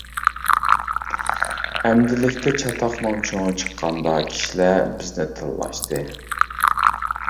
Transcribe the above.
ئەمدىلىكتە چاتاقنىڭ چوڭى چىققاندا، كىشىلەر بىزنى تىللاشتى.